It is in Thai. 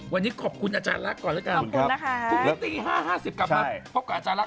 วันนี้ขอบคุณอาจารย์ลักษณ์ก่อนล่ะกันนะครับขอบคุณนะครับ